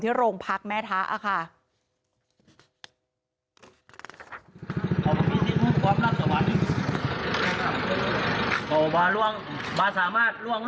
ที่โรงพักแม่ทะ